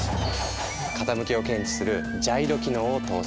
傾きを検知するジャイロ機能を搭載。